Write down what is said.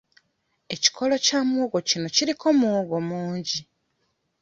Ekikolo kya muwogo kino kiriko muwogo mungi.